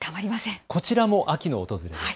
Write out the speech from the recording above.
こちらも秋の訪れです。